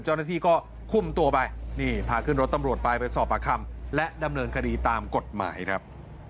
เจ้าหน้าที่ก็คุมตัวไปนี่พาขึ้นรถตำรวจไปไปสอบปากคำและดำเนินคดีตามกฎหมายครับ